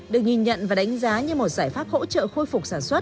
được nhìn nhận và đánh giá như một giải pháp hỗ trợ khôi phục sản xuất